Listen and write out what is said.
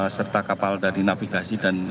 serta kapal dari navigasi dan